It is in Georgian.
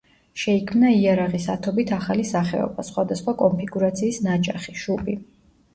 შეიქმნა იარაღის ათობით ახალი სახეობა, სხვადასხვა კონფიგურაციის ნაჯახი, შუბი.